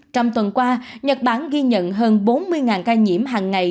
trong tuần qua nhật bản ghi nhận hơn bốn mươi ca nhiễm hàng ngày